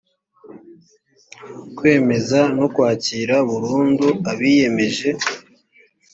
kwemeza no kwakira burundu abiyemeje